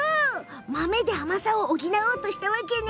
豆で甘さを補おうとしたわけね。